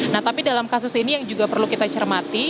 nah tapi dalam kasus ini yang juga perlu kita cermati